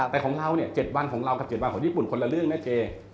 แต่ของเราเนี่ย๗วันของเรากับ๗วันของญี่ปุ่นคนละเรื่องนะเจ